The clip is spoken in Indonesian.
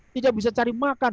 tidak bisa cari makan